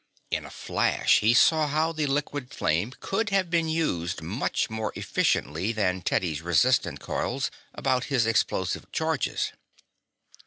In a flash he saw how the liquid flame could have been used much more efficiently than Teddy's resistance coils about his explosive charges.